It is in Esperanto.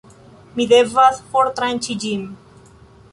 Ni devas fortranĉi ĝin